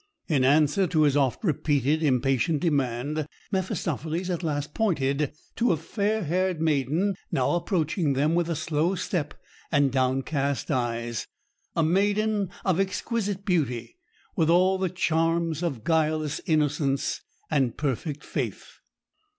In answer to his oft repeated impatient demand, Mephistopheles at last pointed to a fair haired maiden now approaching them with a slow step and downcast eyes a maiden of exquisite beauty, with all the charms of guileless innocence and perfect faith.